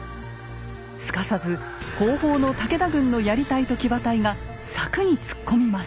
すかさず後方の武田軍のやり隊と騎馬隊が柵に突っ込みます。